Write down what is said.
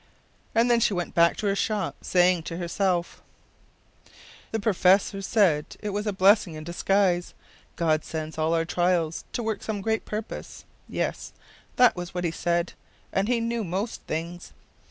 ” And then she went back to her shop, saying to herself: “The professor said it was a blessing in disguise; God sends all our trials to work some great purpose. Yes; that was what he said, and he knew most things.